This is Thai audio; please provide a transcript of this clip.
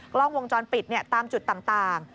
กล้องวงจรปิดตามจุดต่าง